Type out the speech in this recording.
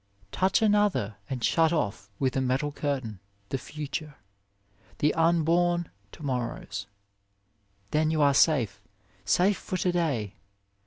Touch another and shut off, with a metal curtain, the Future the unborn to morrows. Then you are safe, safe for to day